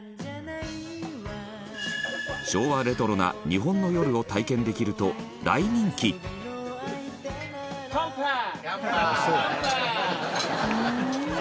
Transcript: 昭和レトロな日本の夜を体験できると大人気カンパイ！